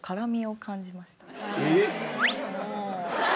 えっ？